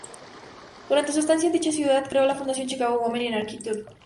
Durante su estancia en dicha ciudad, creó la fundación "Chicago Women in Architecture".